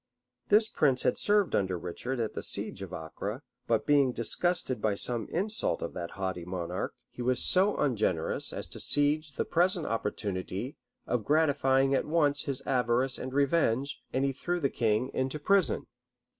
This prince had served under Richard at the siege of Acre; but being disgusted by some insult of that haughty monarch, he was so ungenerous as to seize the present opportunity of gratifying at once his avarice and revenge; and he threw the king into prison.